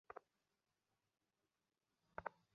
বিশুদ্ধ মতে যিনি ছিলেন যাবীহুল্লাহ।